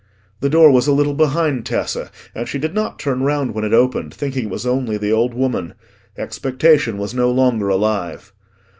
The door was a little behind Tessa, and she did not turn round when it opened, thinking it was only the old woman: expectation was no longer alive.